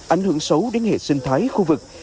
ảnh hưởng xấu đến hệ sinh thái khu vực